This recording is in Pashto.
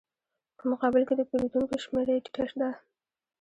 په مقابل کې د پېرودونکو شمېره یې ټیټه ده